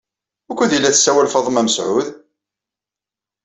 Wukud ay la tessawal Faḍma Mesɛud?